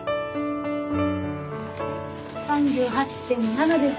３８．７です。